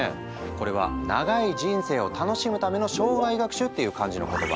これは長い人生を楽しむための生涯学習っていう感じの言葉。